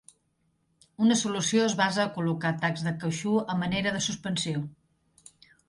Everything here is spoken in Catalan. Una solució es basa a col·locar tacs de cautxú a manera de suspensió.